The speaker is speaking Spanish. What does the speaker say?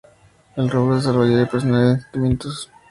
El robot desarrollaría personalidad y sentimientos.